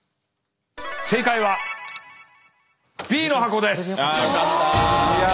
正解はＢの箱です。